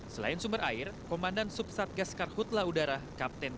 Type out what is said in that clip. selain sumber air komandan subsatgas karhutla udara